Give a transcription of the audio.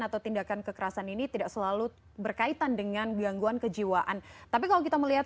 atau tindakan kekerasan ini tidak selalu berkaitan dengan gangguan kejiwaan tapi kalau kita melihat